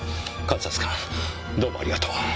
監察官どうもありがとう。